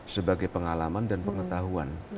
sebagai pengalaman dan pengetahuan